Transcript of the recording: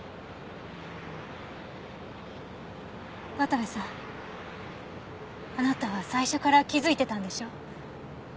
渡部さんあなたは最初から気づいてたんでしょう？